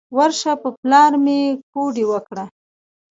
ورشه په پلار مې کوډې وکړه.